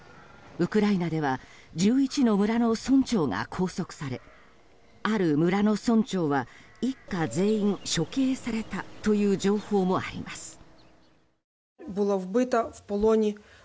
ウクライナでは１１の村の村長が拘束されある村の村長は一家全員処刑されたという情報もあります。